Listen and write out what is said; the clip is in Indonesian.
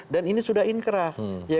dan ini sudah inkrah